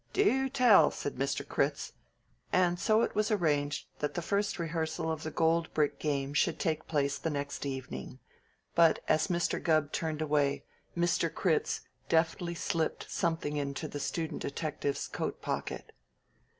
"Do tell!" said Mr. Critz, and so it was arranged that the first rehearsal of the gold brick game should take place the next evening, but as Mr. Gubb turned away Mr. Critz deftly slipped something into the student detective's coat pocket.